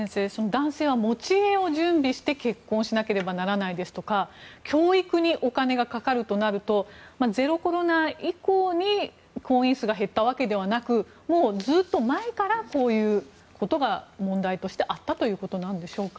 男性は持ち家を準備して結婚しなくてはならないとか教育にお金がかかるとなるとゼロコロナ以降に婚姻数が減ったわけではなくもう、ずっと前からこういうことが問題としてあったということでしょうか。